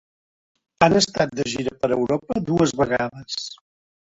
Han estat de gira per Europa dues vegades.